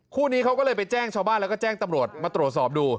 คู่นี้เขาก็เลยไปแจ้งชาวบ้านแล้วก็แจ้งตำรวจมาตรวจสอบดู